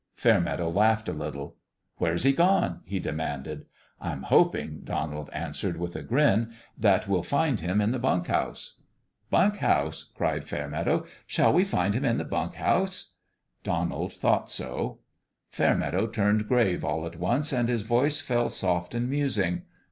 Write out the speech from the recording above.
Fairmeadow laughed a little. " Where's He gone?" he demanded. " I'm hoping," Donald answered, with a grin, " that we'll find Him in the bunk house." " Bunk house !" cried Fairmeadow. " Shall we find Him in the bunk house?" Donald thought so. Fairmeadow turned grave all at once, and his voice fell soft and musing.